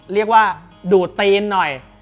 เรียกว่าดูดตีนหน่อย